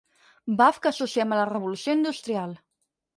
Baf que associem a la revolució industrial.